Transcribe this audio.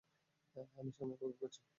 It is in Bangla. আমি সামনে অপেক্ষা করছি।